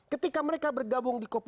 ketika mereka bergabung di kubu dua